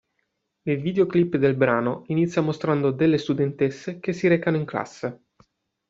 Il videoclip del brano inizia mostrando delle studentesse che si recano in classe.